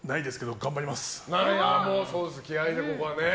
気合でここはね。